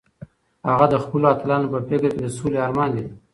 هغه د خپلو اتلانو په فکر کې د سولې ارمان لیده.